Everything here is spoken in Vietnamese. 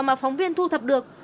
mà phóng viên thu thập được